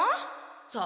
さあ？